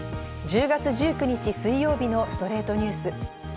１０月１９日、水曜日の『ストレイトニュース』。